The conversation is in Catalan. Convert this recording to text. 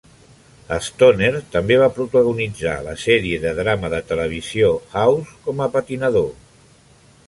Stoner també va protagonitzar la sèrie de drama de televisió "House" com a patinador.